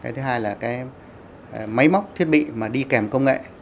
thứ hai là máy móc thiết bị mà đi kèm công nghệ